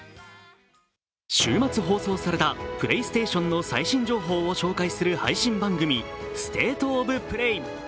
週末放送されたＰｌａｙＳｔａｔｉｏｎの最新情報を紹介する配信番組「ＳｔａｔｅｏｆＰｌａｙ」。